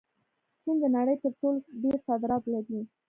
چین د نړۍ تر ټولو ډېر صادرات لري.